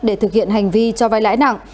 để thực hiện hành vi cho vai lãi nặng